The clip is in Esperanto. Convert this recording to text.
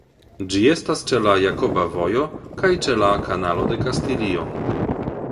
Ĝi estas ĉe la Jakoba Vojo kaj ĉe la Kanalo de Kastilio.